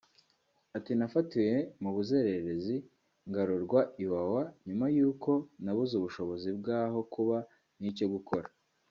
Ati “Nafatiwe mu buzererezi ngarurwa Iwawa nyuma y’uko nabuze ubushobozi bwaho kuba n’icyo gukora